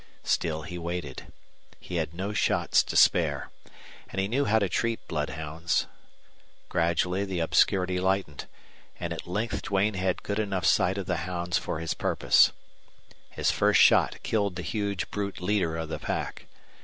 Still he waited. He had no shots to spare. And he knew how to treat bloodhounds. Gradually the obscurity lightened, and at length Duane had good enough sight of the hounds for his purpose. His first shot killed the huge brute leader of the pack.